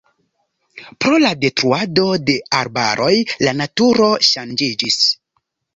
Pro la detruado de arbaroj la naturo ŝanĝiĝis.